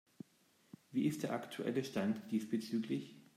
Wie ist der aktuelle Stand diesbezüglich?